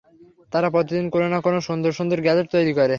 তারা প্রতিদিন কোনো না কোনো সুন্দর সুন্দর গ্যাজেট তৈরি করে।